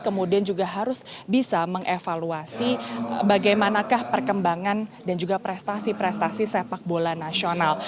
kemudian juga harus bisa mengevaluasi bagaimanakah perkembangan dan juga prestasi prestasi sepak bola nasional